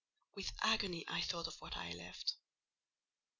with agony I thought of what I left.